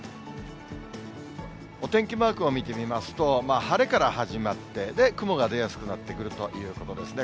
お天気マークを見てみますと、晴れから始まって、雲が出やすくなってくるということですね。